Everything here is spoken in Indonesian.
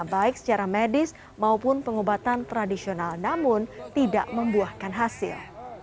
baik secara medis maupun pengobatan tradisional namun tidak membuahkan hasil